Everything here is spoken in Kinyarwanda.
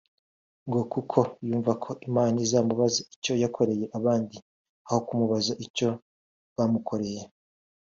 ngo kuko yumva ko Imana izamubaza icyo yakoreye abandi aho kumubaza icyo bamukoreye